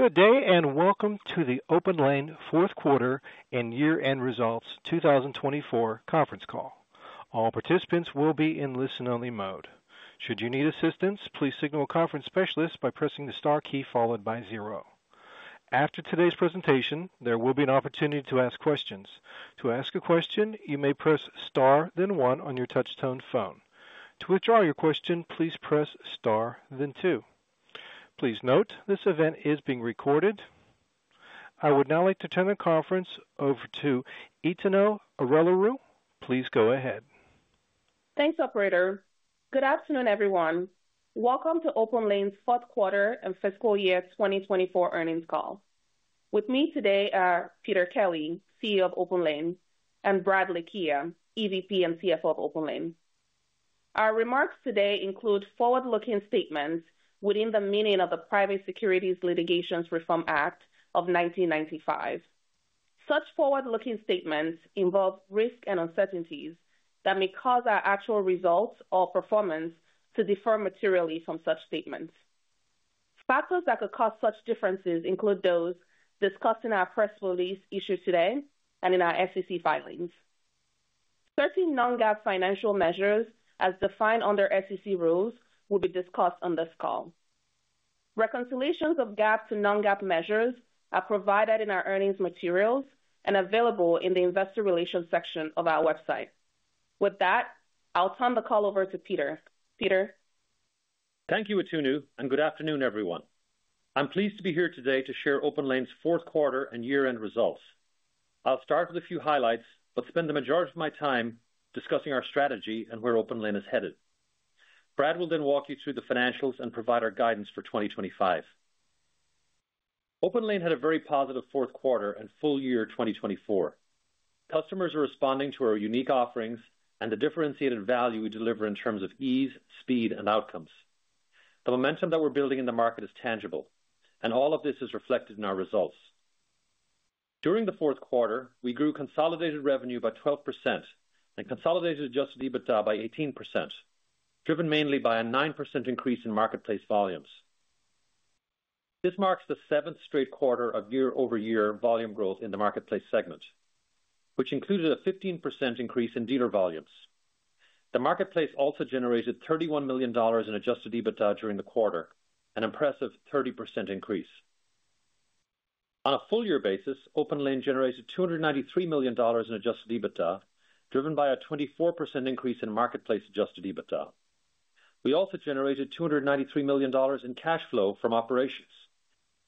Good day and welcome to the OpenLANE Fourth Quarter and Year-End Results 2024 conference call. All participants will be in listen-only mode. Should you need assistance, please signal a conference specialist by pressing the star key followed by zero. After today's presentation, there will be an opportunity to ask questions. To ask a question, you may press star, then one on your touch-tone phone. To withdraw your question, please press star, then two. Please note this event is being recorded. I would now like to turn the conference over to Itunu Orelaru. Please go ahead. Thanks, Operator. Good afternoon, everyone. Welcome to OpenLANE's Fourth Quarter and Fiscal Year 2024 earnings call. With me today are Peter Kelly, CEO of OpenLANE, and Brad Lakhia, EVP and CFO of OpenLANE. Our remarks today include forward-looking statements within the meaning of the Private Securities Litigation Reform Act of 1995. Such forward-looking statements involve risks and uncertainties that may cause our actual results or performance to differ materially from such statements. Factors that could cause such differences include those discussed in our press release issued today and in our SEC filings. Certain non-GAAP financial measures, as defined under SEC rules, will be discussed on this call. Reconciliations of GAAP to non-GAAP measures are provided in our earnings materials and available in the Investor Relations section of our website. With that, I'll turn the call over to Peter. Peter. Thank you, Itunu, and good afternoon, everyone. I'm pleased to be here today to share OpenLANE's fourth quarter and year-end results. I'll start with a few highlights, but spend the majority of my time discussing our strategy and where OpenLANE is headed. Brad will then walk you through the financials and provide our guidance for 2025. OpenLANE had a very positive fourth quarter and full year 2024. Customers are responding to our unique offerings and the differentiated value we deliver in terms of ease, speed, and outcomes. The momentum that we're building in the market is tangible, and all of this is reflected in our results. During the fourth quarter, we grew consolidated revenue by 12% and consolidated adjusted EBITDA by 18%, driven mainly by a 9% increase in marketplace volumes. This marks the seventh straight quarter of year-over-year volume growth in the marketplace segment, which included a 15% increase in dealer volumes. The marketplace also generated $31 million in adjusted EBITDA during the quarter, an impressive 30% increase. On a full-year basis, OpenLANE generated $293 million in adjusted EBITDA, driven by a 24% increase in marketplace adjusted EBITDA. We also generated $293 million in cash flow from operations,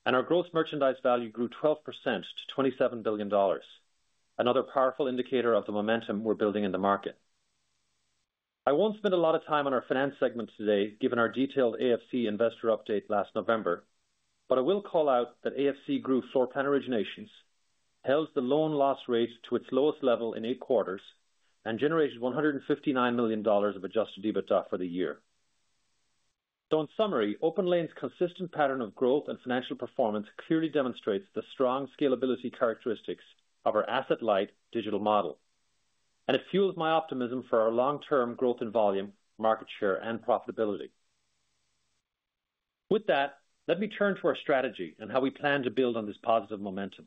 and our gross merchandise value grew 12% to $27 billion, another powerful indicator of the momentum we're building in the market. I won't spend a lot of time on our finance segment today, given our detailed AFC investor update last November, but I will call out that AFC grew floor plan originations, held the loan loss rate to its lowest level in eight quarters, and generated $159 million of adjusted EBITDA for the year. In summary, OpenLANE's consistent pattern of growth and financial performance clearly demonstrates the strong scalability characteristics of our asset-light digital model, and it fuels my optimism for our long-term growth in volume, market share, and profitability. With that, let me turn to our strategy and how we plan to build on this positive momentum.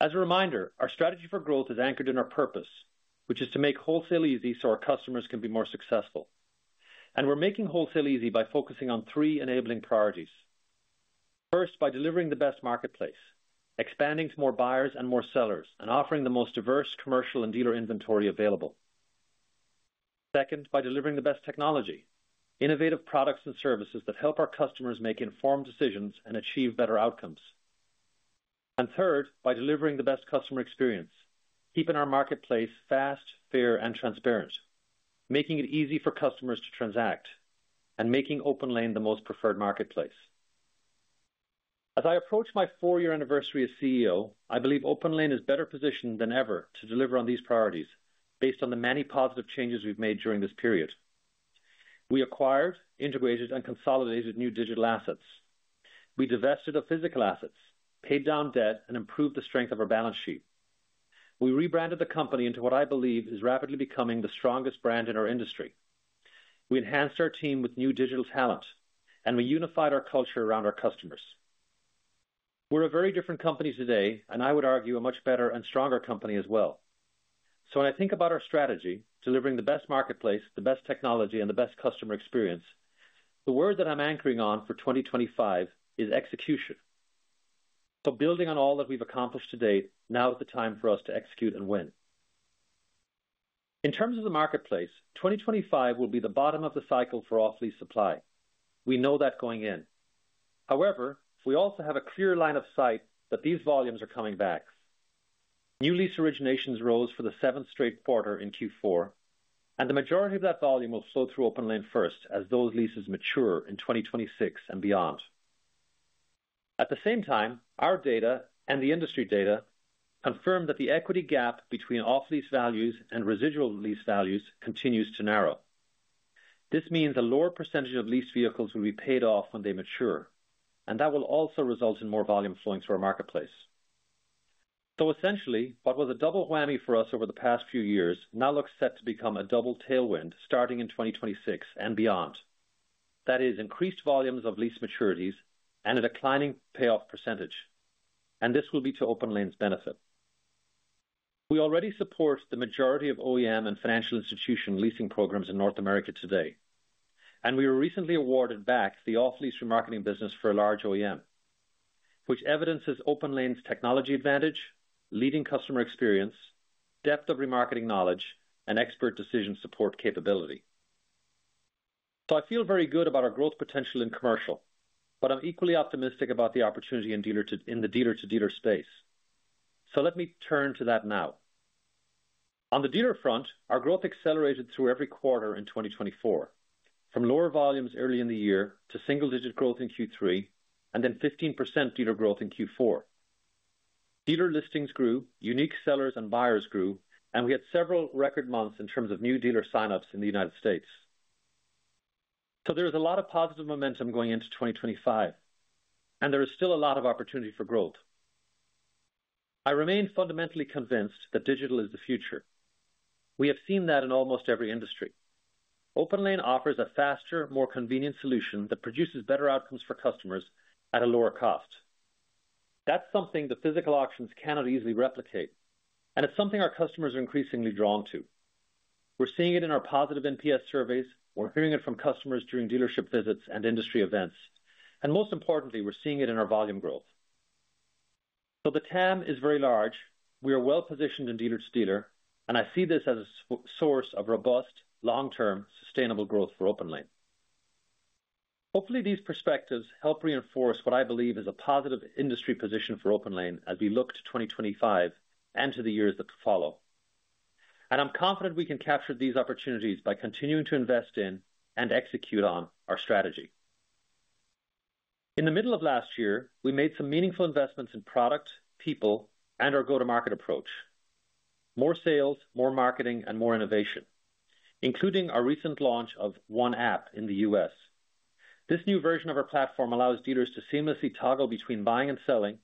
As a reminder, our strategy for growth is anchored in our purpose, which is to make wholesale easy so our customers can be more successful. We're making wholesale easy by focusing on three enabling priorities. First, by delivering the best marketplace, expanding to more buyers and more sellers, and offering the most diverse commercial and dealer inventory available. Second, by delivering the best technology, innovative products and services that help our customers make informed decisions and achieve better outcomes. Third, by delivering the best customer experience, keeping our marketplace fast, fair, and transparent, making it easy for customers to transact, and making OpenLANE the most preferred marketplace. As I approach my four-year anniversary as CEO, I believe OpenLANE is better positioned than ever to deliver on these priorities based on the many positive changes we've made during this period. We acquired, integrated, and consolidated new digital assets. We divested of physical assets, paid down debt, and improved the strength of our balance sheet. We rebranded the company into what I believe is rapidly becoming the strongest brand in our industry. We enhanced our team with new digital talent, and we unified our culture around our customers. We're a very different company today, and I would argue a much better and stronger company as well. So, when I think about our strategy, delivering the best marketplace, the best technology, and the best customer experience, the word that I'm anchoring on for 2025 is execution. So, building on all that we've accomplished to date, now is the time for us to execute and win. In terms of the marketplace, 2025 will be the bottom of the cycle for off-lease supply. We know that going in. However, we also have a clear line of sight that these volumes are coming back. New lease originations rose for the seventh straight quarter in Q4, and the majority of that volume will flow through OpenLANE first as those leases mature in 2026 and beyond. At the same time, our data and the industry data confirm that the equity gap between off-lease values and residual lease values continues to narrow. This means a lower percentage of leased vehicles will be paid off when they mature, and that will also result in more volume flowing through our marketplace. So, essentially, what was a double whammy for us over the past few years now looks set to become a double tailwind starting in 2026 and beyond. That is, increased volumes of lease maturities and a declining payoff percentage, and this will be to OpenLANE's benefit. We already support the majority of OEM and financial institution leasing programs in North America today, and we were recently awarded back the off-lease remarketing business for a large OEM, which evidences OpenLANE's technology advantage, leading customer experience, depth of remarketing knowledge, and expert decision support capability. So, I feel very good about our growth potential in commercial, but I'm equally optimistic about the opportunity in the dealer-to-dealer space. So, let me turn to that now. On the dealer front, our growth accelerated through every quarter in 2024, from lower volumes early in the year to single-digit growth in Q3 and then 15% dealer growth in Q4. Dealer listings grew, unique sellers and buyers grew, and we had several record months in terms of new dealer signups in the United States, so there is a lot of positive momentum going into 2025, and there is still a lot of opportunity for growth. I remain fundamentally convinced that digital is the future. We have seen that in almost every industry. OpenLANE offers a faster, more convenient solution that produces better outcomes for customers at a lower cost. That's something the physical auctions cannot easily replicate, and it's something our customers are increasingly drawn to. We're seeing it in our positive NPS surveys. We're hearing it from customers during dealership visits and industry events. And most importantly, we're seeing it in our volume growth. So, the TAM is very large. We are well positioned in dealer-to-dealer, and I see this as a source of robust, long-term, sustainable growth for OpenLANE. Hopefully, these perspectives help reinforce what I believe is a positive industry position for OpenLANE as we look to 2025 and to the years that follow. And I'm confident we can capture these opportunities by continuing to invest in and execute on our strategy. In the middle of last year, we made some meaningful investments in product, people, and our go-to-market approach. More sales, more marketing, and more innovation, including our recent launch of One App in the U.S.. This new version of our platform allows dealers to seamlessly toggle between buying and selling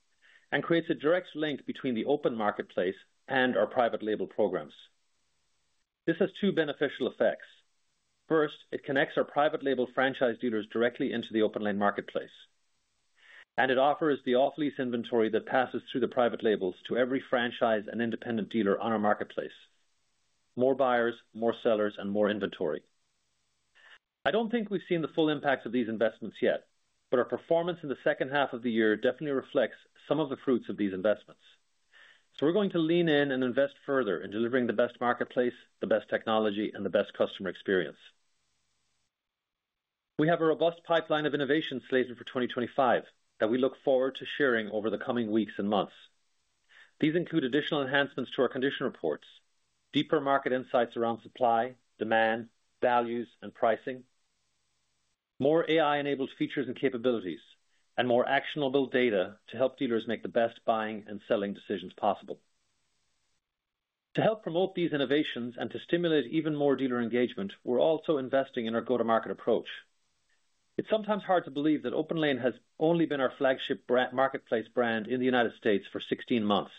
and creates a direct link between the open marketplace and our private label programs. This has two beneficial effects. First, it connects our private-label franchise dealers directly into the OpenLANE Marketplace, and it offers the off-lease inventory that passes through the private labels to every franchise and independent dealer on our marketplace. More buyers, more sellers, and more inventory. I don't think we've seen the full impacts of these investments yet, but our performance in the second half of the year definitely reflects some of the fruits of these investments. So, we're going to lean in and invest further in delivering the best marketplace, the best technology, and the best customer experience. We have a robust pipeline of innovations slated for 2025 that we look forward to sharing over the coming weeks and months. These include additional enhancements to our condition reports, deeper market insights around supply, demand, values, and pricing, more AI-enabled features and capabilities, and more actionable data to help dealers make the best buying and selling decisions possible. To help promote these innovations and to stimulate even more dealer engagement, we're also investing in our go-to-market approach. It's sometimes hard to believe that OpenLANE has only been our flagship marketplace brand in the United States for 16 months.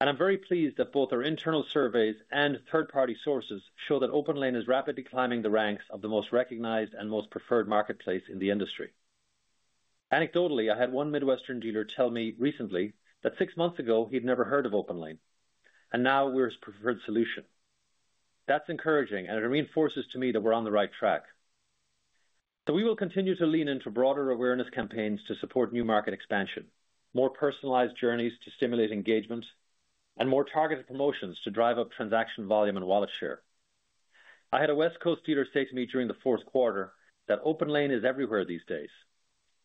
And I'm very pleased that both our internal surveys and third-party sources show that OpenLANE is rapidly climbing the ranks of the most recognized and most preferred marketplace in the industry. Anecdotally, I had one Midwestern dealer tell me recently that six months ago he'd never heard of OpenLANE, and now we're his preferred solution. That's encouraging, and it reinforces to me that we're on the right track. So, we will continue to lean into broader awareness campaigns to support new market expansion, more personalized journeys to stimulate engagement, and more targeted promotions to drive up transaction volume and wallet share. I had a West Coast dealer say to me during the fourth quarter that OpenLANE is everywhere these days.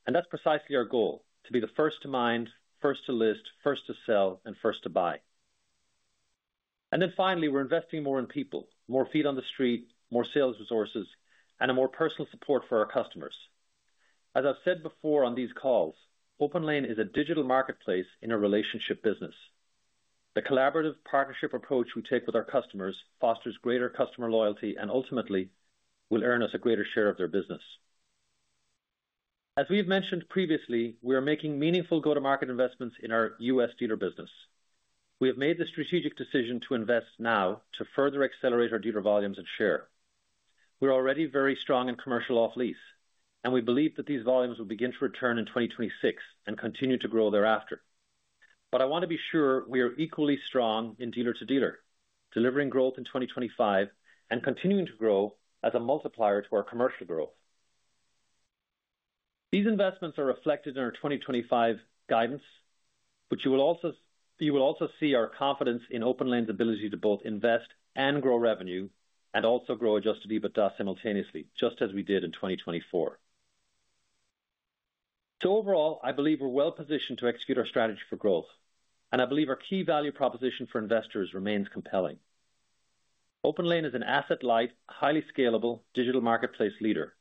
And that's precisely our goal: to be the first to mind, first to list, first to sell, and first to buy. And then finally, we're investing more in people, more feet on the street, more sales resources, and more personal support for our customers. As I've said before on these calls, OpenLANE is a digital marketplace in a relationship business. The collaborative partnership approach we take with our customers fosters greater customer loyalty and ultimately will earn us a greater share of their business. As we've mentioned previously, we are making meaningful go-to-market investments in our U.S. dealer business. We have made the strategic decision to invest now to further accelerate our dealer volumes and share. We're already very strong in commercial off-lease, and we believe that these volumes will begin to return in 2026 and continue to grow thereafter. But I want to be sure we are equally strong in dealer-to-dealer, delivering growth in 2025 and continuing to grow as a multiplier to our commercial growth. These investments are reflected in our 2025 guidance, but you will also see our confidence in OpenLANE's ability to both invest and grow revenue, and also grow adjusted EBITDA simultaneously, just as we did in 2024. So, overall, I believe we're well-positioned to execute our strategy for growth, and I believe our key value proposition for investors remains compelling. OpenLANE is an asset-light, highly scalable digital marketplace leader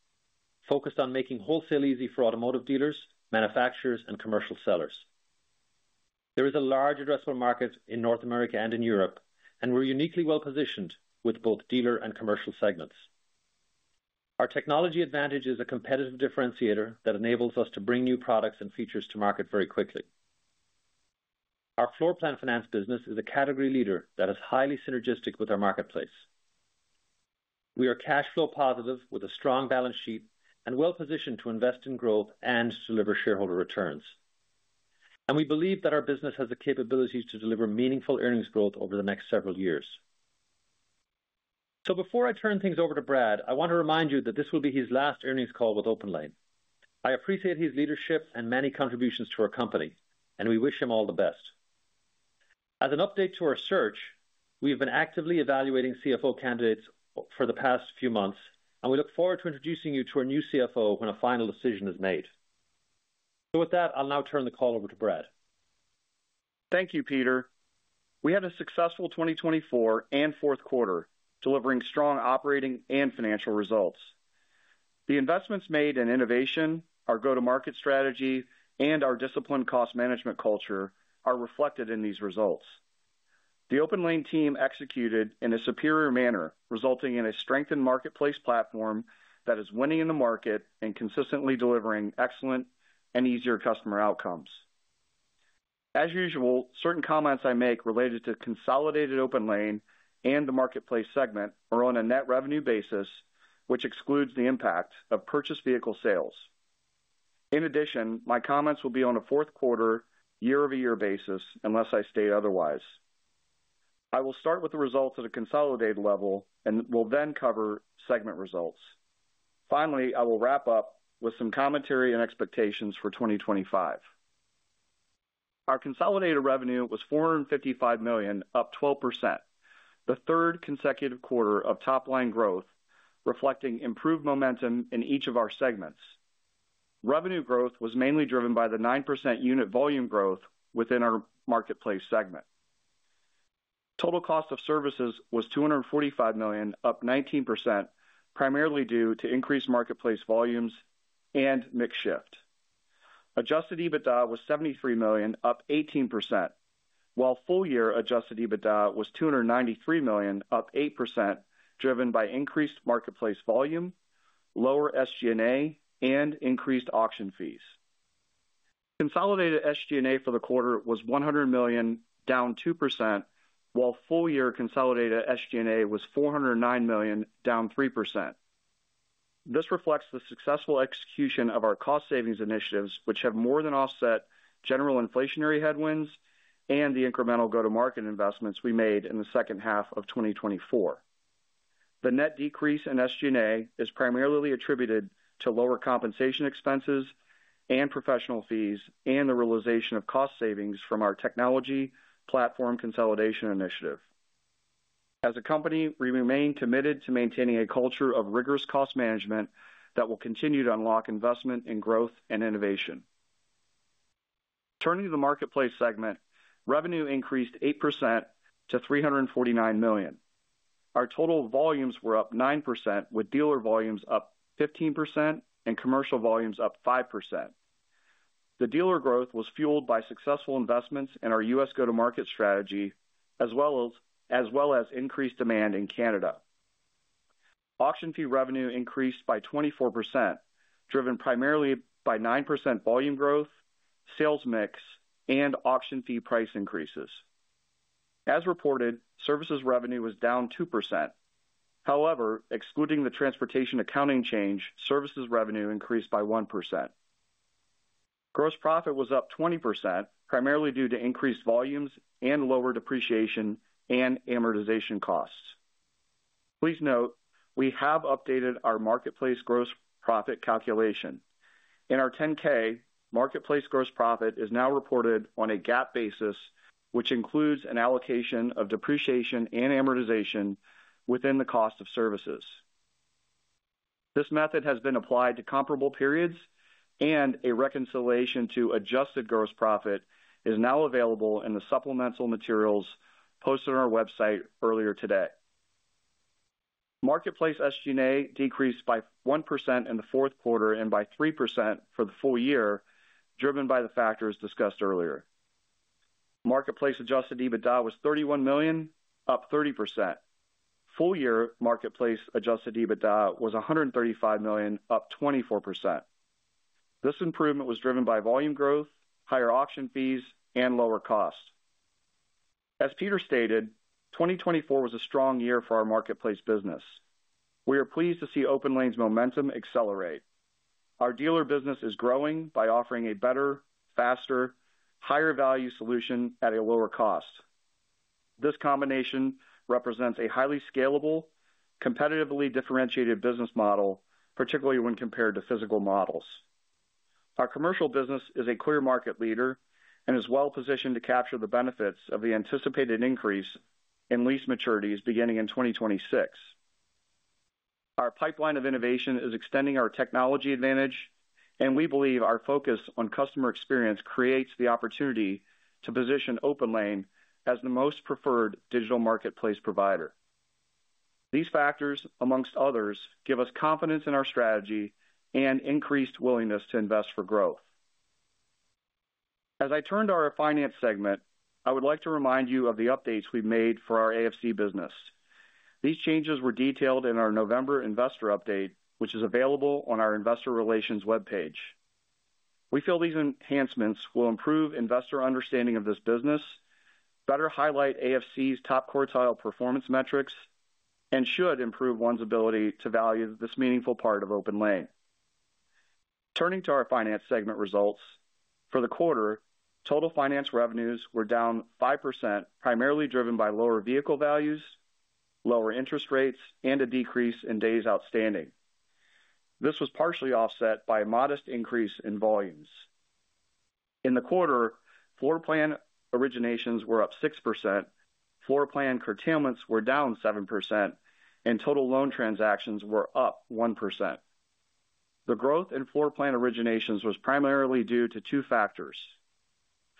focused on making wholesale easy for automotive dealers, manufacturers, and commercial sellers. There is a large addressable market in North America and in Europe, and we're uniquely well-positioned with both dealer and commercial segments. Our technology advantage is a competitive differentiator that enables us to bring new products and features to market very quickly. Our floor plan finance business is a category leader that is highly synergistic with our marketplace. We are cash flow positive with a strong balance sheet and well-positioned to invest in growth and to deliver shareholder returns, and we believe that our business has the capabilities to deliver meaningful earnings growth over the next several years, so before I turn things over to Brad, I want to remind you that this will be his last earnings call with OpenLANE. I appreciate his leadership and many contributions to our company, and we wish him all the best. As an update to our search, we have been actively evaluating CFO candidates for the past few months, and we look forward to introducing you to our new CFO when a final decision is made. So, with that, I'll now turn the call over to Brad. Thank you, Peter. We had a successful 2024 and fourth quarter, delivering strong operating and financial results. The investments made in innovation, our go-to-market strategy, and our disciplined cost management culture are reflected in these results. The OpenLANE team executed in a superior manner, resulting in a strengthened marketplace platform that is winning in the market and consistently delivering excellent and easier customer outcomes. As usual, certain comments I make related to consolidated OpenLANE and the marketplace segment are on a net revenue basis, which excludes the impact of purchased vehicle sales. In addition, my comments will be on a fourth quarter, year-over-year basis, unless I state otherwise. I will start with the results at a consolidated level and will then cover segment results. Finally, I will wrap up with some commentary and expectations for 2025. Our consolidated revenue was $455 million, up 12%, the third consecutive quarter of top-line growth, reflecting improved momentum in each of our segments. Revenue growth was mainly driven by the 9% unit volume growth within our marketplace segment. Total cost of services was $245 million, up 19%, primarily due to increased marketplace volumes and mixed shift. Adjusted EBITDA was $73 million, up 18%, while full-year adjusted EBITDA was $293 million, up 8%, driven by increased marketplace volume, lower SG&A, and increased auction fees. Consolidated SG&A for the quarter was $100 million, down 2%, while full-year consolidated SG&A was $409 million, down 3%. This reflects the successful execution of our cost savings initiatives, which have more than offset general inflationary headwinds and the incremental go-to-market investments we made in the second half of 2024. The net decrease in SG&A is primarily attributed to lower compensation expenses and professional fees and the realization of cost savings from our technology platform consolidation initiative. As a company, we remain committed to maintaining a culture of rigorous cost management that will continue to unlock investment in growth and innovation. Turning to the marketplace segment, revenue increased 8% to $349 million. Our total volumes were up 9%, with dealer volumes up 15% and commercial volumes up 5%. The dealer growth was fueled by successful investments in our U.S. go-to-market strategy, as well as increased demand in Canada. Auction fee revenue increased by 24%, driven primarily by 9% volume growth, sales mix, and auction fee price increases. As reported, services revenue was down 2%. However, excluding the transportation accounting change, services revenue increased by 1%. Gross profit was up 20%, primarily due to increased volumes and lower depreciation and amortization costs. Please note, we have updated our marketplace gross profit calculation. In our 10-K, marketplace gross profit is now reported on a GAAP basis, which includes an allocation of depreciation and amortization within the cost of services. This method has been applied to comparable periods, and a reconciliation to adjusted gross profit is now available in the supplemental materials posted on our website earlier today. Marketplace SG&A decreased by 1% in the fourth quarter and by 3% for the full year, driven by the factors discussed earlier. Marketplace adjusted EBITDA was $31 million, up 30%. Full-year marketplace adjusted EBITDA was $135 million, up 24%. This improvement was driven by volume growth, higher auction fees, and lower cost. As Peter stated, 2024 was a strong year for our marketplace business. We are pleased to see OpenLANE's momentum accelerate. Our dealer business is growing by offering a better, faster, higher-value solution at a lower cost. This combination represents a highly scalable, competitively differentiated business model, particularly when compared to physical models. Our commercial business is a clear market leader and is well positioned to capture the benefits of the anticipated increase in lease maturities beginning in 2026. Our pipeline of innovation is extending our technology advantage, and we believe our focus on customer experience creates the opportunity to position OpenLANE as the most preferred digital marketplace provider. These factors, among others, give us confidence in our strategy and increased willingness to invest for growth. As I turn to our finance segment, I would like to remind you of the updates we've made for our AFC business. These changes were detailed in our November investor update, which is available on our investor relations webpage. We feel these enhancements will improve investor understanding of this business, better highlight AFC's top quartile performance metrics, and should improve one's ability to value this meaningful part of OpenLANE. Turning to our finance segment results, for the quarter, total finance revenues were down 5%, primarily driven by lower vehicle values, lower interest rates, and a decrease in days outstanding. This was partially offset by a modest increase in volumes. In the quarter, floor plan originations were up 6%, floor plan curtailments were down 7%, and total loan transactions were up 1%. The growth in floor plan originations was primarily due to two factors.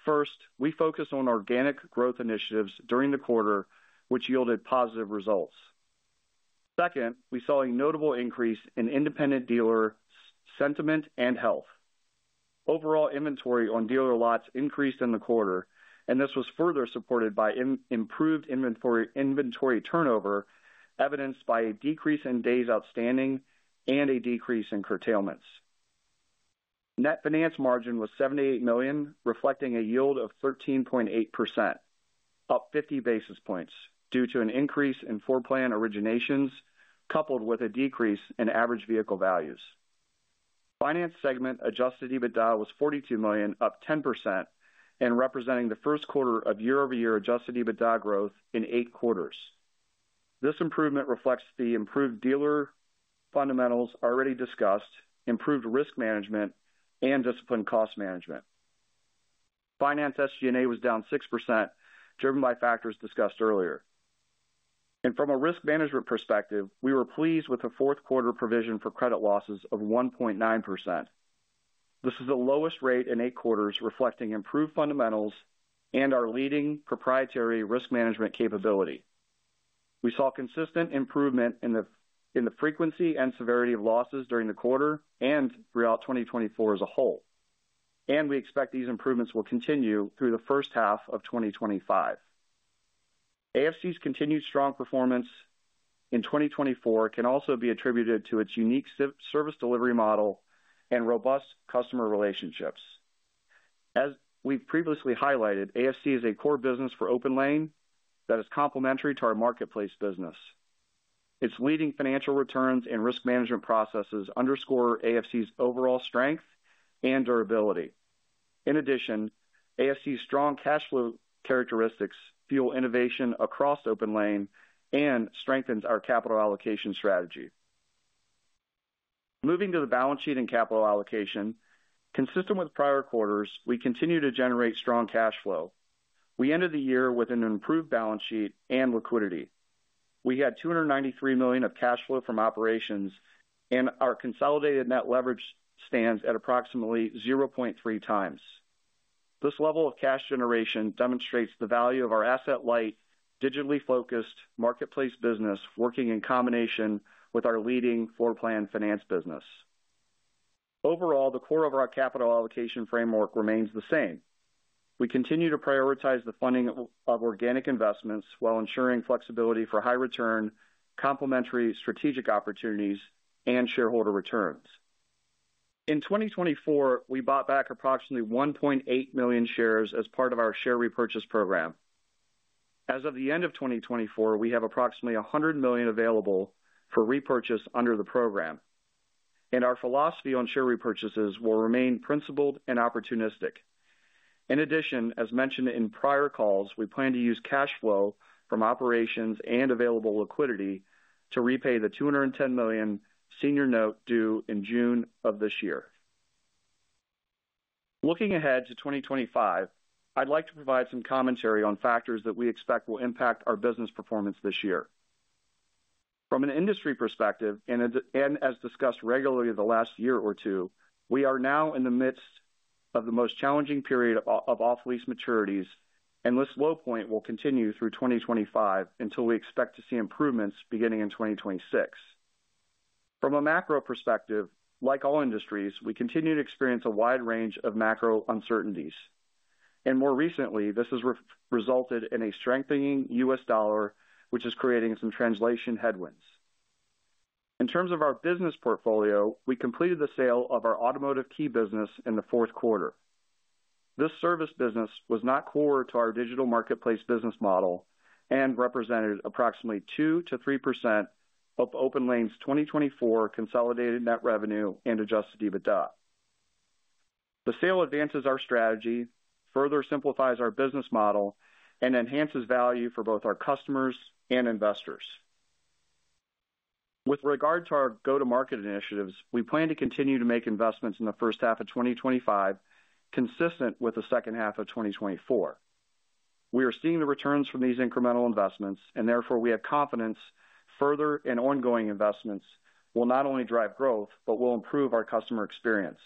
First, we focused on organic growth initiatives during the quarter, which yielded positive results. Second, we saw a notable increase in independent dealer sentiment and health. Overall inventory on dealer lots increased in the quarter, and this was further supported by improved inventory turnover, evidenced by a decrease in days outstanding and a decrease in curtailments. Net finance margin was $78 million, reflecting a yield of 13.8%, up 50 basis points due to an increase in floor plan originations coupled with a decrease in average vehicle values. Finance segment adjusted EBITDA was $42 million, up 10%, and representing the first quarter of year-over-year adjusted EBITDA growth in eight quarters. This improvement reflects the improved dealer fundamentals already discussed, improved risk management, and disciplined cost management. Finance SG&A was down 6%, driven by factors discussed earlier, and from a risk management perspective, we were pleased with the fourth quarter provision for credit losses of 1.9%. This is the lowest rate in eight quarters, reflecting improved fundamentals and our leading proprietary risk management capability. We saw consistent improvement in the frequency and severity of losses during the quarter and throughout 2024 as a whole, and we expect these improvements will continue through the first half of 2025. AFC's continued strong performance in 2024 can also be attributed to its unique service delivery model and robust customer relationships. As we've previously highlighted, AFC is a core business for OpenLANE that is complementary to our marketplace business. Its leading financial returns and risk management processes underscore AFC's overall strength and durability. In addition, AFC's strong cash flow characteristics fuel innovation across OpenLANE and strengthens our capital allocation strategy. Moving to the balance sheet and capital allocation, consistent with prior quarters, we continue to generate strong cash flow. We ended the year with an improved balance sheet and liquidity. We had $293 million of cash flow from operations, and our consolidated net leverage stands at approximately 0.3 times. This level of cash generation demonstrates the value of our asset-light, digitally focused marketplace business working in combination with our leading floor plan finance business. Overall, the core of our capital allocation framework remains the same. We continue to prioritize the funding of organic investments while ensuring flexibility for high-return, complementary strategic opportunities, and shareholder returns. In 2024, we bought back approximately 1.8 million shares as part of our share repurchase program. As of the end of 2024, we have approximately $100 million available for repurchase under the program, and our philosophy on share repurchases will remain principled and opportunistic. In addition, as mentioned in prior calls, we plan to use cash flow from operations and available liquidity to repay the $210 million senior note due in June of this year. Looking ahead to 2025, I'd like to provide some commentary on factors that we expect will impact our business performance this year. From an industry perspective, and as discussed regularly the last year or two, we are now in the midst of the most challenging period of off-lease maturities, and this low point will continue through 2025 until we expect to see improvements beginning in 2026. From a macro perspective, like all industries, we continue to experience a wide range of macro uncertainties, and more recently, this has resulted in a strengthening U.S. dollar, which is creating some translation headwinds. In terms of our business portfolio, we completed the sale of our automotive key business in the fourth quarter. This service business was not core to our digital marketplace business model and represented approximately 2%-3% of OpenLANE's 2024 consolidated net revenue and adjusted EBITDA. The sale advances our strategy, further simplifies our business model, and enhances value for both our customers and investors. With regard to our go-to-market initiatives, we plan to continue to make investments in the first half of 2025 consistent with the second half of 2024. We are seeing the returns from these incremental investments, and therefore we have confidence further and ongoing investments will not only drive growth, but will improve our customer experience.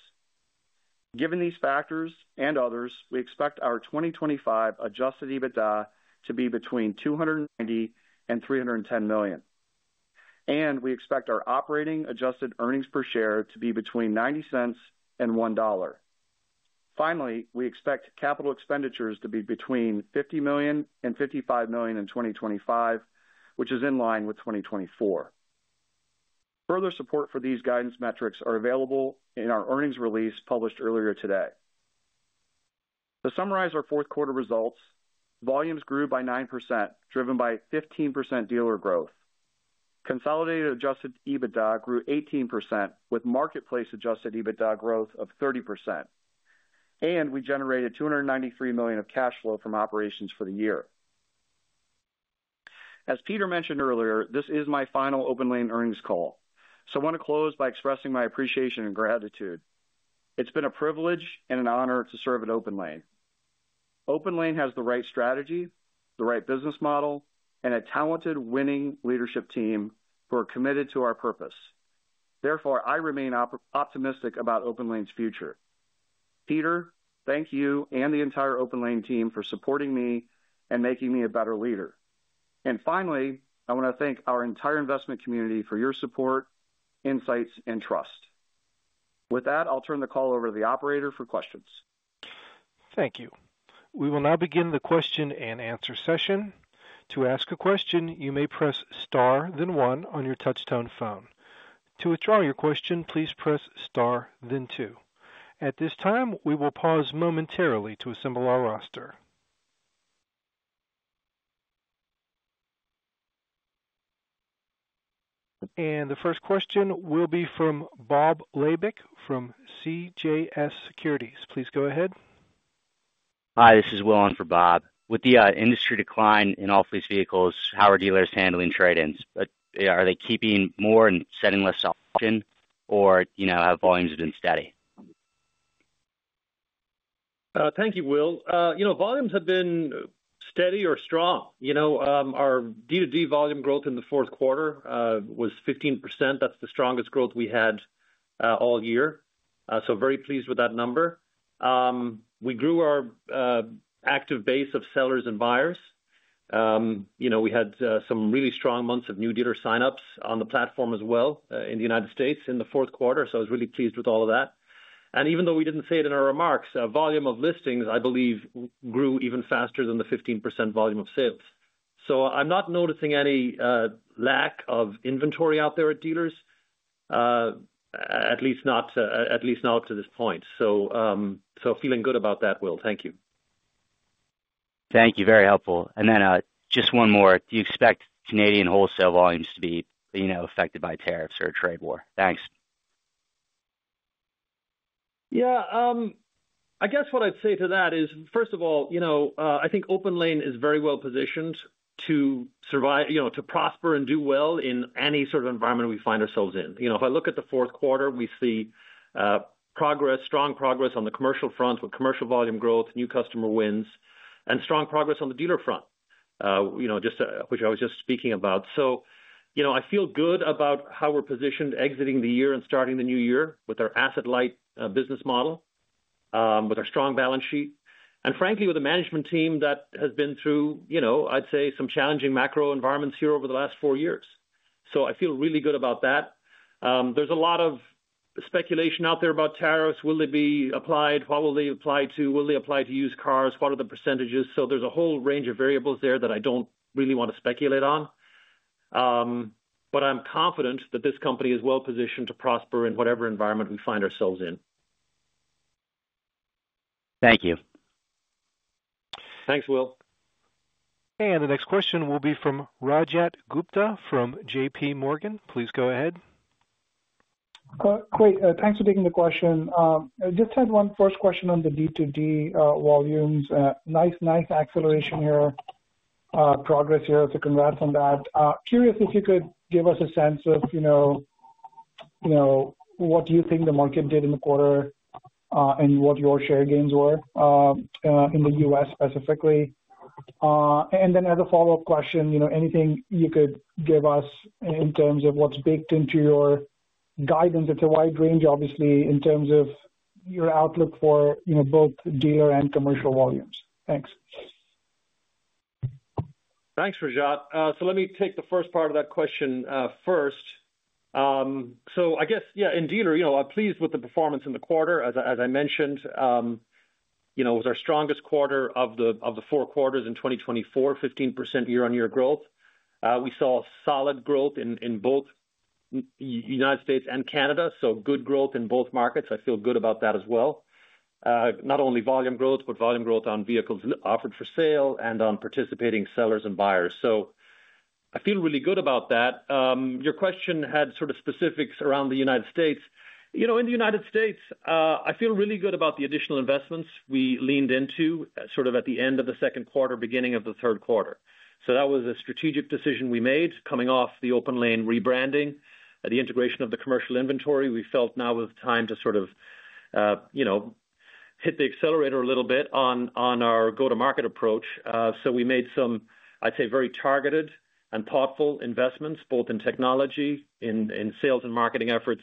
Given these factors and others, we expect our 2025 adjusted EBITDA to be between $290 and $310 million. And we expect our operating adjusted earnings per share to be between $0.90 and $1. Finally, we expect capital expenditures to be between $50 and $55 million in 2025, which is in line with 2024. Further support for these guidance metrics is available in our earnings release published earlier today. To summarize our fourth quarter results, volumes grew by 9%, driven by 15% dealer growth. Consolidated adjusted EBITDA grew 18%, with marketplace adjusted EBITDA growth of 30%. We generated $293 million of cash flow from operations for the year. As Peter mentioned earlier, this is my final OpenLANE earnings call. I want to close by expressing my appreciation and gratitude. It's been a privilege and an honor to serve at OpenLANE. OpenLANE has the right strategy, the right business model, and a talented, winning leadership team who are committed to our purpose. Therefore, I remain optimistic about OpenLANE's future. Peter, thank you and the entire OpenLANE team for supporting me and making me a better leader. Finally, I want to thank our entire investment community for your support, insights, and trust. With that, I'll turn the call over to the operator for questions. Thank you. We will now begin the question and answer session. To ask a question, you may press star, then one on your touch-tone phone. To withdraw your question, please press star, then two. At this time, we will pause momentarily to assemble our roster, and the first question will be from Bob Labick from CJS Securities. Please go ahead. Hi, this is Will Owen for Bob. With the industry decline in off-lease vehicles, how are dealers handling trade-ins? Are they keeping more and sending less often or have volumes been steady? Thank you, Will. Volumes have been steady or strong. Our D2D volume growth in the fourth quarter was 15%. That's the strongest growth we had all year. So very pleased with that number. We grew our active base of sellers and buyers. We had some really strong months of new dealer sign-ups on the platform as well in the United States in the fourth quarter. So I was really pleased with all of that. And even though we didn't say it in our remarks, volume of listings, I believe, grew even faster than the 15% volume of sales. So I'm not noticing any lack of inventory out there at dealers, at least not to this point. So feeling good about that, Will. Thank you. Thank you. Very helpful. And then just one more. Do you expect Canadian wholesale volumes to be affected by tariffs or a trade war? Thanks. Yeah. I guess what I'd say to that is, first of all, I think OpenLANE is very well positioned to prosper and do well in any sort of environment we find ourselves in. If I look at the fourth quarter, we see strong progress on the commercial front with commercial volume growth, new customer wins, and strong progress on the dealer front, which I was just speaking about. So I feel good about how we're positioned exiting the year and starting the new year with our asset-light business model, with our strong balance sheet, and frankly, with a management team that has been through, I'd say, some challenging macro environments here over the last four years. So I feel really good about that. There's a lot of speculation out there about tariffs. Will they be applied? What will they apply to? Will they apply to used cars? What are the percentages? So there's a whole range of variables there that I don't really want to speculate on. But I'm confident that this company is well positioned to prosper in whatever environment we find ourselves in. Thank you. Thanks, Will. And the next question will be from Rajat Gupta from JP Morgan. Please go ahead. Great. Thanks for taking the question. Just had one first question on the D2D volumes. Nice, nice acceleration here, progress here. So congrats on that. Curious if you could give us a sense of what you think the market did in the quarter and what your share gains were in the U.S. specifically. And then as a follow-up question, anything you could give us in terms of what's baked into your guidance. It's a wide range, obviously, in terms of your outlook for both dealer and commercial volumes. Thanks. Thanks, Rajat. So let me take the first part of that question first. So I guess, yeah, in dealer, I'm pleased with the performance in the quarter. As I mentioned, it was our strongest quarter of the four quarters in 2024, 15% year-on-year growth. We saw solid growth in both the United States and Canada, so good growth in both markets. I feel good about that as well, not only volume growth, but volume growth on vehicles offered for sale and on participating sellers and buyers, so I feel really good about that. Your question had sort of specifics around the United States. In the United States, I feel really good about the additional investments we leaned into sort of at the end of the second quarter, beginning of the third quarter, so that was a strategic decision we made coming off the OpenLANE rebranding, the integration of the commercial inventory. We felt now was the time to sort of hit the accelerator a little bit on our go-to-market approach. So we made some, I'd say, very targeted and thoughtful investments, both in technology, in sales and marketing efforts,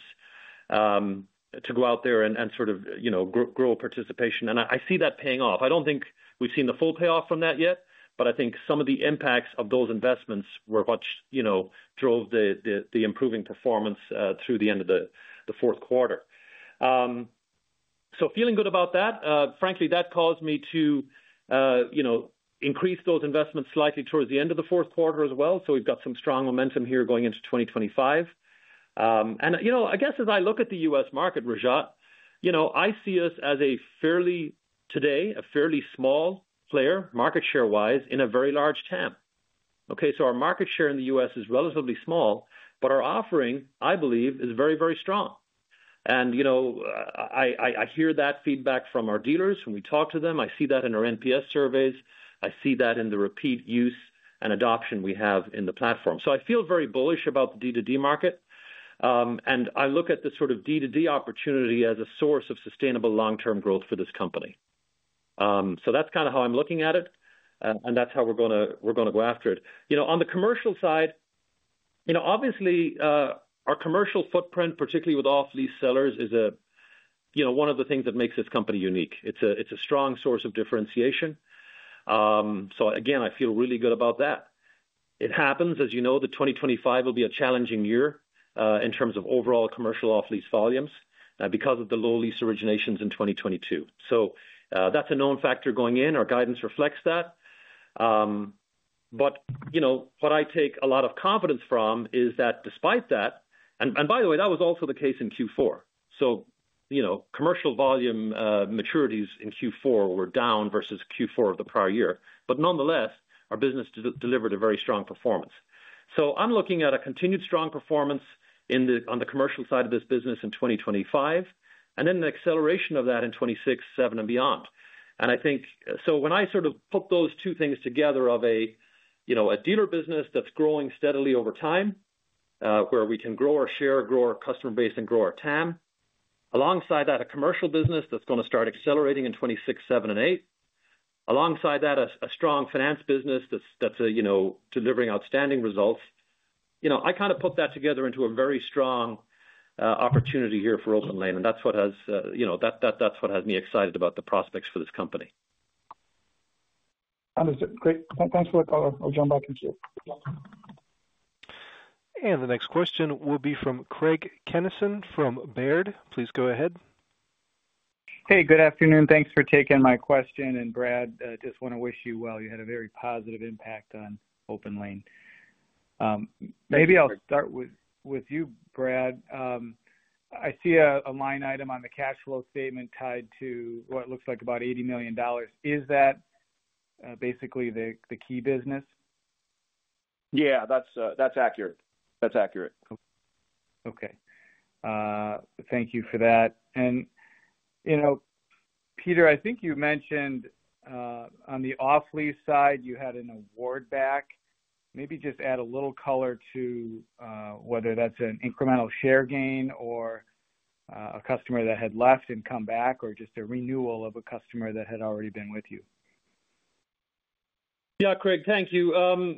to go out there and sort of grow participation. And I see that paying off. I don't think we've seen the full payoff from that yet, but I think some of the impacts of those investments were what drove the improving performance through the end of the fourth quarter. So feeling good about that. Frankly, that caused me to increase those investments slightly towards the end of the fourth quarter as well. So we've got some strong momentum here going into 2025. And I guess as I look at the U.S. market, Rajat, I see us as a fairly, today, a fairly small player, market share-wise, in a very large TAM. Okay. So our market share in the U.S. is relatively small, but our offering, I believe, is very, very strong. And I hear that feedback from our dealers when we talk to them. I see that in our NPS surveys. I see that in the repeat use and adoption we have in the platform. So I feel very bullish about the D2D market. And I look at the sort of D2D opportunity as a source of sustainable long-term growth for this company. So that's kind of how I'm looking at it. And that's how we're going to go after it. On the commercial side, obviously, our commercial footprint, particularly with off-lease sellers, is one of the things that makes this company unique. It's a strong source of differentiation. So again, I feel really good about that. It happens, as you know, that 2025 will be a challenging year in terms of overall commercial off-lease volumes because of the low lease originations in 2022. So that's a known factor going in. Our guidance reflects that. But what I take a lot of confidence from is that despite that, and by the way, that was also the case in Q4. So commercial volume maturities in Q4 were down versus Q4 of the prior year. But nonetheless, our business delivered a very strong performance. So I'm looking at a continued strong performance on the commercial side of this business in 2025, and then an acceleration of that in 2026, 2027, and beyond. I think so when I sort of put those two things together of a dealer business that's growing steadily over time, where we can grow our share, grow our customer base, and grow our TAM, alongside that, a commercial business that's going to start accelerating in 2026, 2027, and 2028, alongside that, a strong finance business that's delivering outstanding results. I kind of put that together into a very strong opportunity here for OpenLANE. And that's what has me excited about the prospects for this company. Understood. Great. Thanks for the call. I'll jump back into it. And the next question will be from Craig Kennison from Baird. Please go ahead. Hey, good afternoon. Thanks for taking my question. And Brad, just want to wish you well. You had a very positive impact on OpenLANE. Maybe I'll start with you, Brad. I see a line item on the cash flow statement tied to what looks like about $80 million. Is that basically the key business? Yeah, that's accurate. That's accurate. Okay. Thank you for that. And Peter, I think you mentioned on the off-lease side, you had an award back. Maybe just add a little color to whether that's an incremental share gain or a customer that had left and come back or just a renewal of a customer that had already been with you. Yeah, Craig, thank you.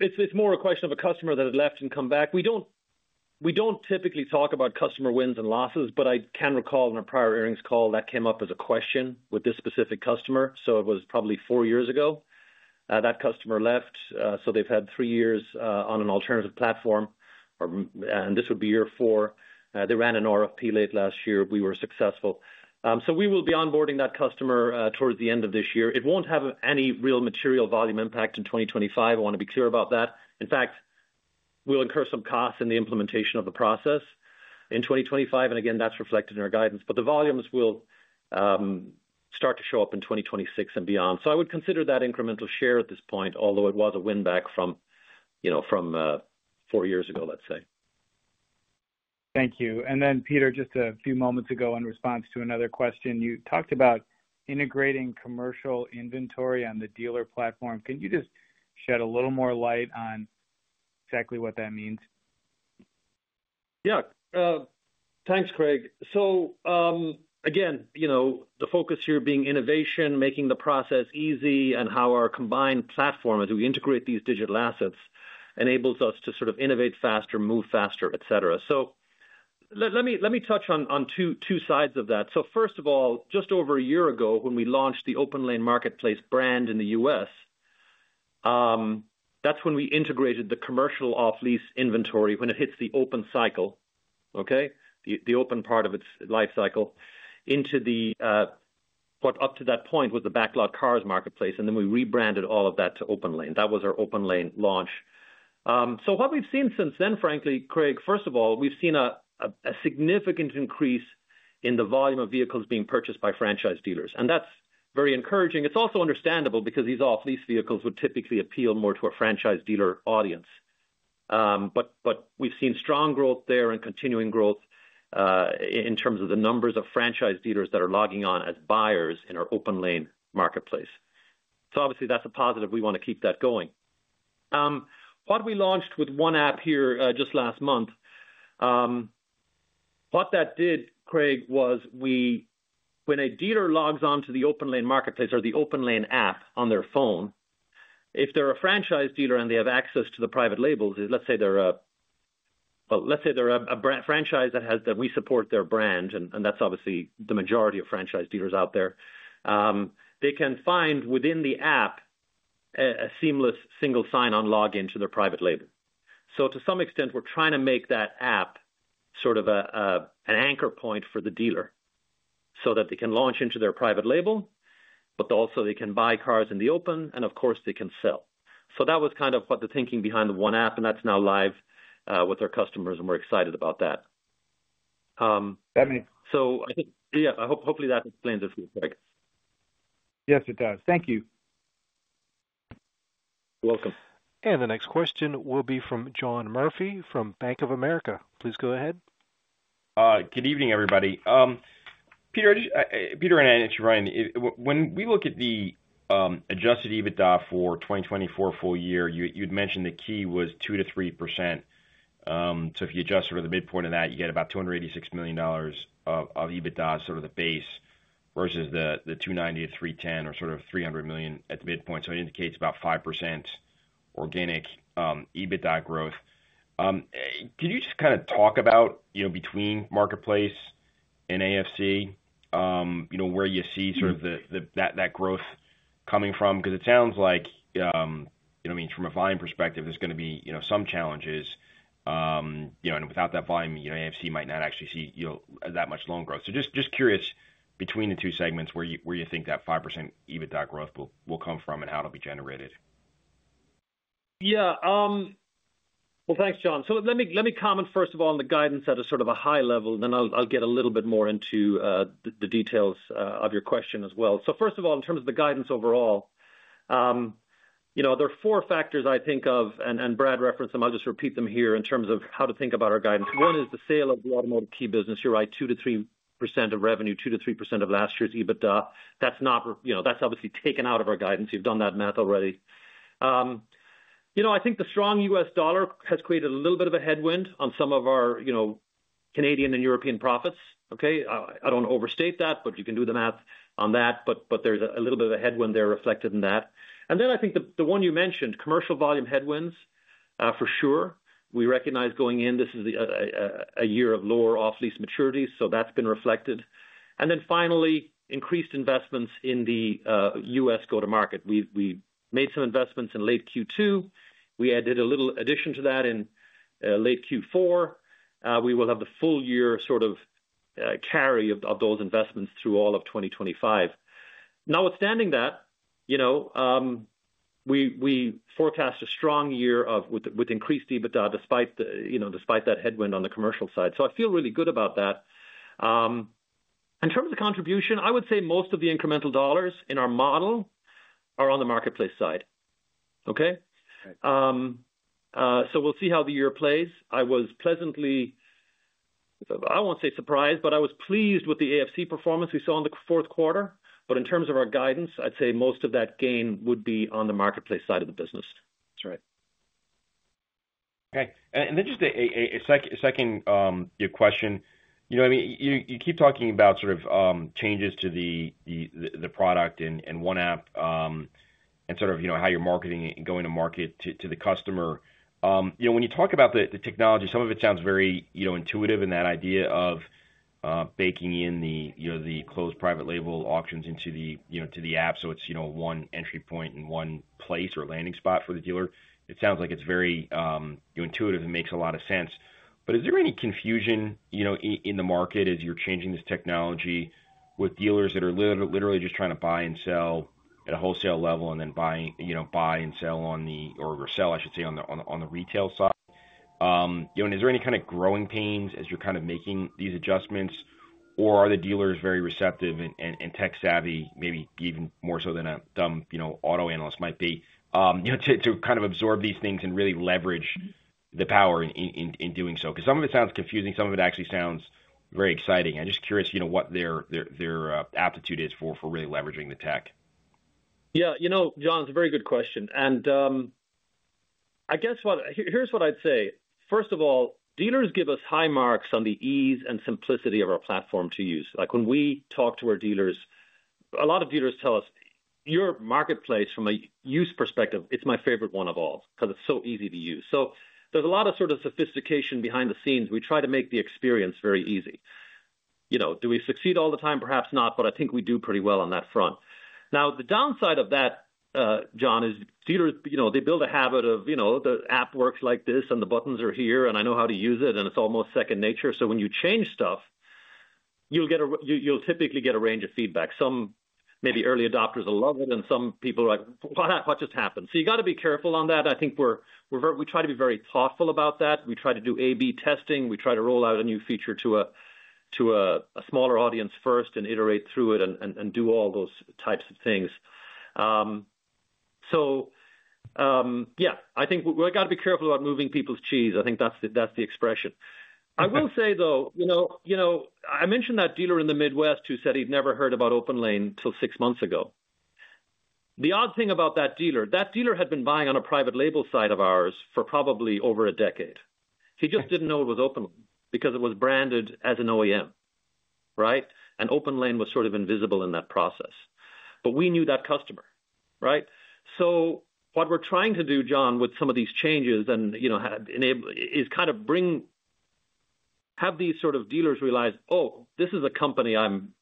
It's more a question of a customer that had left and come back. We don't typically talk about customer wins and losses, but I can recall in a prior earnings call that came up as a question with this specific customer. So it was probably four years ago. That customer left. So they've had three years on an alternative platform. And this would be year four. They ran an RFP late last year. We were successful. So we will be onboarding that customer towards the end of this year. It won't have any real material volume impact in 2025. I want to be clear about that. In fact, we'll incur some costs in the implementation of the process in 2025. And again, that's reflected in our guidance. But the volumes will start to show up in 2026 and beyond. So I would consider that incremental share at this point, although it was a win back from four years ago, let's say. Thank you. And then, Peter, just a few moments ago in response to another question, you talked about integrating commercial inventory on the dealer platform. Can you just shed a little more light on exactly what that means? Yeah. Thanks, Craig. So again, the focus here being innovation, making the process easy, and how our combined platform, as we integrate these digital assets, enables us to sort of innovate faster, move faster, etc., so let me touch on two sides of that, so first of all, just over a year ago when we launched the OpenLANE Marketplace brand in the U.S., that's when we integrated the commercial off-lease inventory when it hits the open cycle, okay, the open part of its life cycle, into what up to that point was the ADESA marketplace, and then we rebranded all of that to OpenLANE. That was our OpenLANE launch, so what we've seen since then, frankly, Craig, first of all, we've seen a significant increase in the volume of vehicles being purchased by franchise dealers, and that's very encouraging. It's also understandable because these off-lease vehicles would typically appeal more to a franchise dealer audience. But we've seen strong growth there and continuing growth in terms of the numbers of franchise dealers that are logging on as buyers in our OpenLANE Marketplace. So obviously, that's a positive. We want to keep that going. What we launched with One App here just last month, what that did, Craig, was when a dealer logs on to the OpenLANE Marketplace or the OpenLANE app on their phone, if they're a franchise dealer and they have access to the private labels, let's say they're a, well, let's say they're a franchise that we support their brand, and that's obviously the majority of franchise dealers out there, they can find within the app a seamless single sign-on login to their private label. So to some extent, we're trying to make that app sort of an anchor point for the dealer so that they can launch into their private label, but also they can buy cars in the open, and of course, they can sell. So that was kind of what the thinking behind the One App, and that's now live with our customers, and we're excited about that. So yeah, hopefully that explains it for you, Craig. Yes, it does. Thank you. You're welcome. And the next question will be from John Murphy from Bank of America. Please go ahead. Good evening, everybody. Peter as you mentioned earlier. When we look at the adjusted EBITDA for 2024 full year, you'd mentioned the key was 2%-3%. So if you adjust sort of the midpoint of that, you get about $286 million of EBITDA, sort of the base, versus the $290 million-$310 million or sort of $300 million at the midpoint. So it indicates about 5% organic EBITDA growth. Could you just kind of talk about between Marketplace and AFC, where you see sort of that growth coming from? Because it sounds like, I mean, from a volume perspective, there's going to be some challenges. And without that volume, AFC might not actually see that much loan growth. So just curious between the two segments where you think that 5% EBITDA growth will come from and how it'll be generated. Yeah. Well, thanks, John. So let me comment, first of all, on the guidance at a sort of a high level. Then I'll get a little bit more into the details of your question as well. So first of all, in terms of the guidance overall, there are four factors I think of, and Brad referenced them. I'll just repeat them here in terms of how to think about our guidance. One is the sale of the automotive key business. You're right, 2%-3% of revenue, 2%-3% of last year's EBITDA. That's obviously taken out of our guidance. You've done that math already. I think the strong U.S. dollar has created a little bit of a headwind on some of our Canadian and European profits. Okay. I don't overstate that, but you can do the math on that. But there's a little bit of a headwind there reflected in that. And then I think the one you mentioned, commercial volume headwinds, for sure. We recognize going in, this is a year of lower off-lease maturities. So that's been reflected. Then finally, increased investments in the U.S. go-to-market. We made some investments in late Q2. We added a little addition to that in late Q4. We will have the full year sort of carry of those investments through all of 2025. Notwithstanding that, we forecast a strong year with increased EBITDA despite that headwind on the commercial side. So I feel really good about that. In terms of contribution, I would say most of the incremental dollars in our model are on the marketplace side. Okay. So we'll see how the year plays. I was pleasantly, I won't say surprised, but I was pleased with the AFC performance we saw in the fourth quarter. But in terms of our guidance, I'd say most of that gain would be on the marketplace side of the business. That's right. Okay. And then just a second question. You keep talking about sort of changes to the product and OneApp and sort of how you're marketing and going to market to the customer. When you talk about the technology, some of it sounds very intuitive in that idea of baking in the closed private label auctions into the app. So it's one entry point and one place or landing spot for the dealer. It sounds like it's very intuitive and makes a lot of sense. But is there any confusion in the market as you're changing this technology with dealers that are literally just trying to buy and sell at a wholesale level and then buy and sell on the, or sell, I should say, on the retail side? And is there any kind of growing pains as you're kind of making these adjustments? Or are the dealers very receptive and tech-savvy, maybe even more so than a dumb auto analyst might be, to kind of absorb these things and really leverage the power in doing so? Because some of it sounds confusing. Some of it actually sounds very exciting. I'm just curious what their aptitude is for really leveraging the tech. Yeah. John, it's a very good question. And I guess here's what I'd say. First of all, dealers give us high marks on the ease and simplicity of our platform to use. When we talk to our dealers, a lot of dealers tell us, "Your marketplace from a use perspective, it's my favorite one of all because it's so easy to use." So there's a lot of sort of sophistication behind the scenes. We try to make the experience very easy. Do we succeed all the time? Perhaps not, but I think we do pretty well on that front. Now, the downside of that, John, is dealers, they build a habit of the app works like this and the buttons are here and I know how to use it and it's almost second nature. So when you change stuff, you'll typically get a range of feedback. Some maybe early adopters will love it and some people are like, "What just happened?" So you got to be careful on that. I think we try to be very thoughtful about that. We try to do A/B testing. We try to roll out a new feature to a smaller audience first and iterate through it and do all those types of things. So yeah, I think we got to be careful about moving people's cheese. I think that's the expression. I will say, though, I mentioned that dealer in the Midwest who said he'd never heard about OpenLANE until six months ago. The odd thing about that dealer, that dealer had been buying on a private label side of ours for probably over a decade. He just didn't know it was OpenLANE because it was branded as an OEM, right? And OpenLANE was sort of invisible in that process. But we knew that customer, right? So what we're trying to do, John, with some of these changes and is kind of have these sort of dealers realize, "Oh, this is a company I'm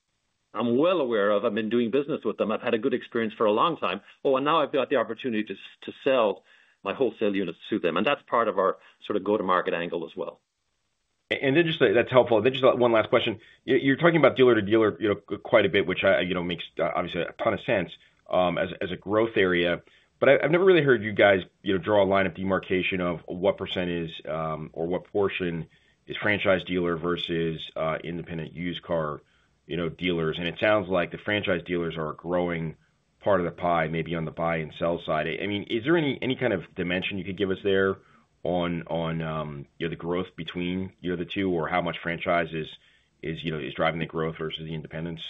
well aware of. I've been doing business with them. I've had a good experience for a long time. Oh, and now I've got the opportunity to sell my wholesale units to them." And that's part of our sort of go-to-market angle as well. And that's helpful. Then just one last question. You're talking about dealer to dealer quite a bit, which makes obviously a ton of sense as a growth area. But I've never really heard you guys draw a line of demarcation of what percentage or what portion is franchise dealer versus independent used car dealers. And it sounds like the franchise dealers are a growing part of the pie, maybe on the buy and sell side. I mean, is there any kind of dimension you could give us there on the growth between the two or how much franchise is driving the growth versus the independents?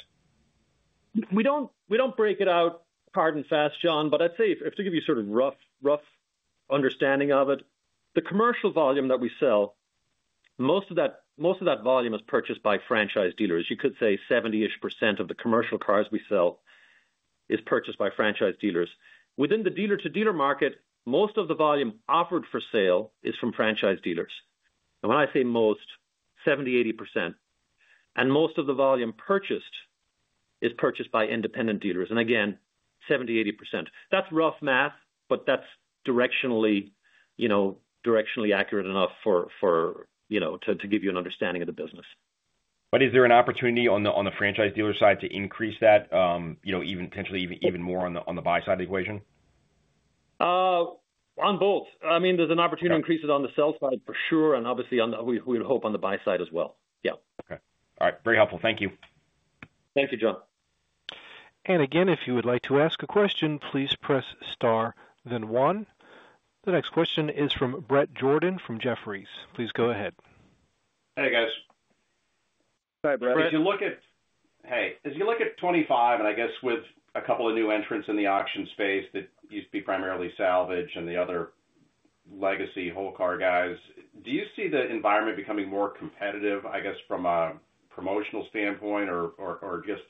We don't break it out, hard and fast, John, but I'd say, to give you a sort of rough understanding of it, the commercial volume that we sell, most of that volume is purchased by franchise dealers. You could say 70-ish% of the commercial cars we sell is purchased by franchise dealers. Within the dealer-to-dealer market, most of the volume offered for sale is from franchise dealers. And when I say most, 70-80%. And most of the volume purchased is purchased by independent dealers. And again, 70-80%. That's rough math, but that's directionally accurate enough to give you an understanding of the business. But is there an opportunity on the franchise dealer side to increase that, even potentially even more on the buy side of the equation? On both. I mean, there's an opportunity to increase it on the sell side, for sure. And obviously, we would hope on the buy side as well. Yeah. Okay. All right. Very helpful. Thank you. Thank you, John. And again, if you would like to ask a question, please press star, then one. The next question is from Bret Jordan from Jefferies. Please go ahead. Hey, guys. Hi, Bret. As you look at, hey, as you look at 2025, and I guess with a couple of new entrants in the auction space that used to be primarily salvage and the other legacy wholesale car guys, do you see the environment becoming more competitive, I guess, from a promotional standpoint or just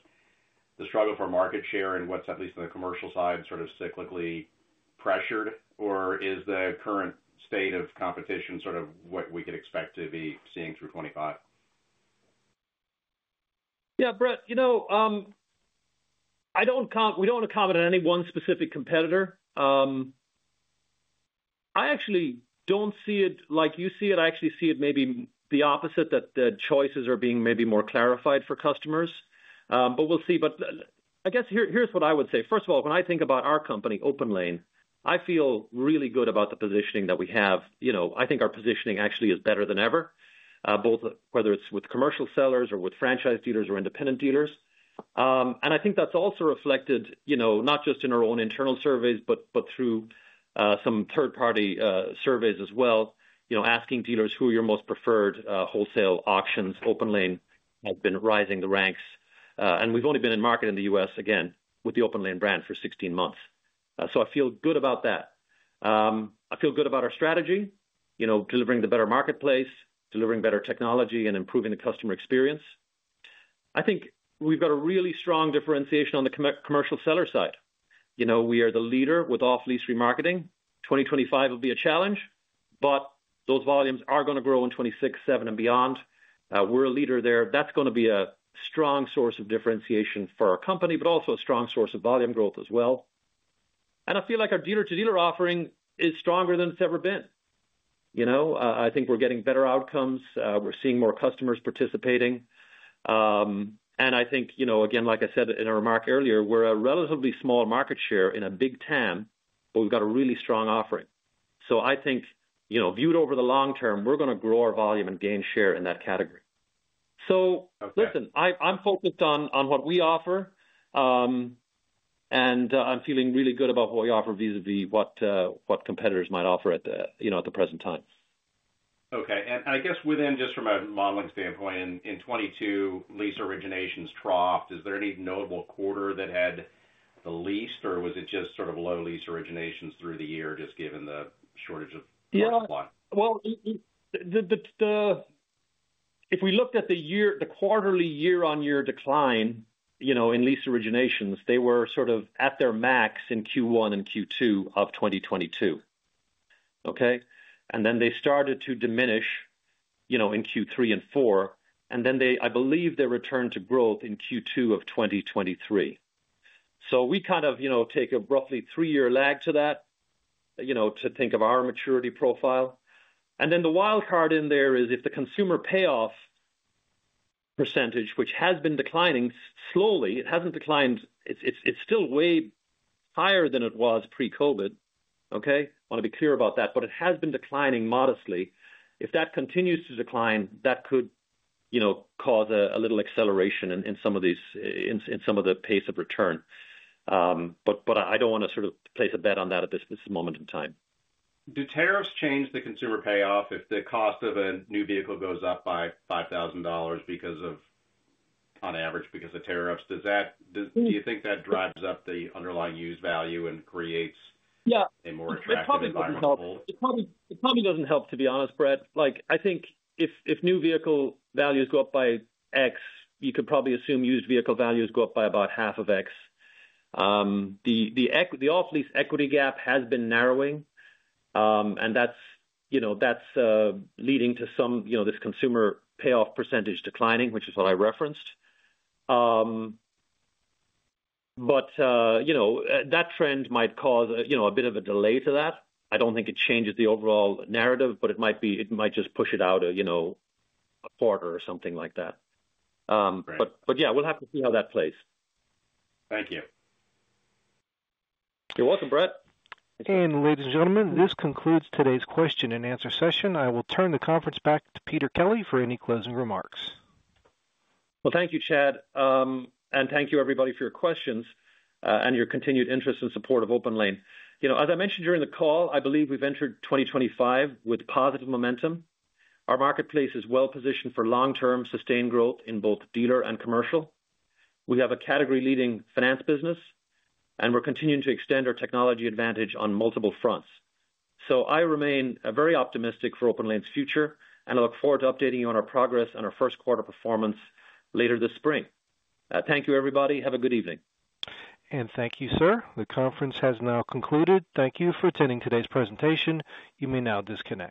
the struggle for market share and what's at least on the commercial side sort of cyclically pressured? Or is the current state of competition sort of what we could expect to be seeing through 2025? Yeah, Bret. I don't comment on any one specific competitor. I actually don't see it like you see it. I actually see it maybe the opposite, that the choices are being maybe more clarified for customers. But we'll see. But I guess here's what I would say. First of all, when I think about our company, OpenLANE, I feel really good about the positioning that we have. I think our positioning actually is better than ever, both whether it's with commercial sellers or with franchise dealers or independent dealers. And I think that's also reflected not just in our own internal surveys, but through some third-party surveys as well, asking dealers who your most preferred wholesale auctions. OpenLANE has been rising the ranks. And we've only been in market in the U.S., again, with the OpenLANE brand for 16 months. So I feel good about that. I feel good about our strategy, delivering the better marketplace, delivering better technology, and improving the customer experience. I think we've got a really strong differentiation on the commercial seller side. We are the leader with off-lease remarketing. 2025 will be a challenge, but those volumes are going to grow in 2026, 2027, and beyond. We're a leader there. That's going to be a strong source of differentiation for our company, but also a strong source of volume growth as well, and I feel like our dealer-to-dealer offering is stronger than it's ever been. I think we're getting better outcomes. We're seeing more customers participating, and I think, again, like I said in a remark earlier, we're a relatively small market share in a big TAM, but we've got a really strong offering, so I think viewed over the long term, we're going to grow our volume and gain share in that category, so listen, I'm focused on what we offer, and I'm feeling really good about what we offer vis-à-vis what competitors might offer at the present time. Okay. I guess within just from a modeling standpoint, in 2022, lease originations troughed. Is there any notable quarter that had the least, or was it just sort of low lease originations through the year, just given the shortage of supply? If we looked at the quarterly year-on-year decline in lease originations, they were sort of at their max in Q1 and Q2 of 2022. Okay? They started to diminish in Q3 and Q4. I believe they returned to growth in Q2 of 2023. We kind of take a roughly three-year lag to that to think of our maturity profile. The wildcard in there is if the consumer payoff percentage, which has been declining slowly, it hasn't declined. It's still way higher than it was pre-COVID. Okay? I want to be clear about that, but it has been declining modestly. If that continues to decline, that could cause a little acceleration in some of the pace of return. But I don't want to sort of place a bet on that at this moment in time. Do tariffs change the consumer payoff if the cost of a new vehicle goes up by $5,000 on average because of tariffs? Do you think that drives up the underlying use value and creates a more attractive offer? Yeah. It probably doesn't help. It probably doesn't help, to be honest, Bret. I think if new vehicle values go up by X, you could probably assume used vehicle values go up by about half of X. The off-lease equity gap has been narrowing, and that's leading to some of this consumer payoff percentage declining, which is what I referenced. But that trend might cause a bit of a delay to that. I don't think it changes the overall narrative, but it might just push it out a quarter or something like that, but yeah, we'll have to see how that plays. Thank you. You're welcome, Bret. And ladies and gentlemen, this concludes today's question and answer session. I will turn the conference back to Peter Kelly for any closing remarks, well, thank you, Chad, and thank you, everybody, for your questions and your continued interest and support of OpenLANE. As I mentioned during the call, I believe we've entered 2025 with positive momentum. Our marketplace is well positioned for long-term sustained growth in both dealer and commercial. We have a category-leading finance business, and we're continuing to extend our technology advantage on multiple fronts, so I remain very optimistic for OpenLANE's future, and I look forward to updating you on our progress and our first-quarter performance later this spring. Thank you, everybody. Have a good evening. And thank you, sir. The conference has now concluded. Thank you for attending today's presentation. You may now disconnect.